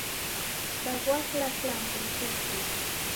Saghua kila kilambo nikugue